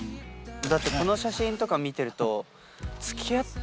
この写真とか見てると。